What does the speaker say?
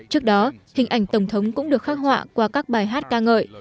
trước đó hình ảnh tổng thống cũng được khắc họa qua các bài hát ca ngợi